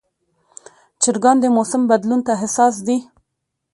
چرګان د موسم بدلون ته حساس دي.